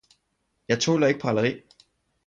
Jeg tåler ikke praleri